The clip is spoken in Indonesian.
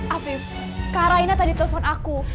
afif kak raina tadi telepon aku